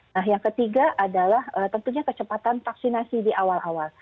nah yang ketiga adalah tentunya kecepatan vaksinasi di awal awal